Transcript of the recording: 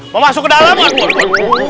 mau masuk ke dalam waktu